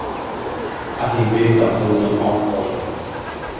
Arrivé d'un deuxième emploi jeunes.